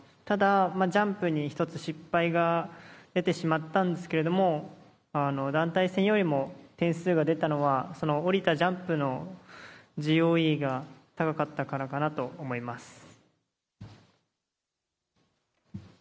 ただ、ジャンプに１つ失敗が出てしまったんですけれども、団体戦よりも点数が出たのは、その下りたジャンプのＧＯＥが高かったからかなと思います。